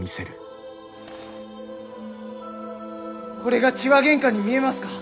これが痴話喧嘩に見えますか？